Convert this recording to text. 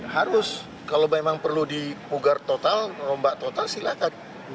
harus kalau memang perlu dipugar total rombak total silahkan